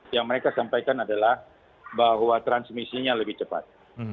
yang mereka sampaikan adalah bahwa transmisinya lebih cepat